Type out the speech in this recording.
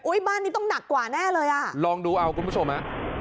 บ้านนี้ต้องหนักกว่าแน่เลยอ่ะลองดูเอาคุณผู้ชมฮะ